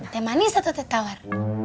teh manis atau teh tawar